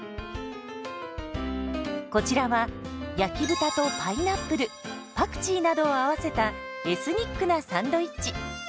こちらは焼き豚とパイナップルパクチーなどを合わせたエスニックなサンドイッチ。